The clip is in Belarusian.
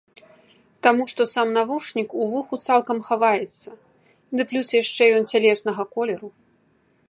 Таму што сам навушнік у вуху цалкам хаваецца, ды плюс яшчэ ён цялеснага колеру.